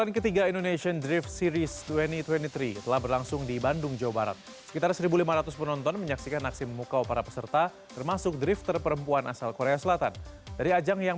ketika indonesia menang